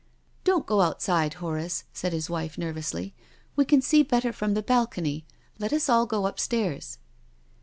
"Don't go outside, Horace," said his wife nervously. " We can see better from the balcony. Let us all go upstairs.